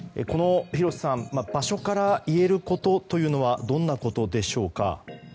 この場所からいえることというのはどんなことでしょうか。